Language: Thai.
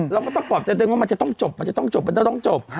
เราก็ต้องปลอบใจตัวเองว่ามันจะต้องจบมันจะต้องจบมันต้องจบ